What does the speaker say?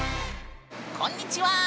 こんにちは。